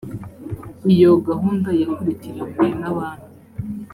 iyo gahunda yakurikiranywe n’ abandi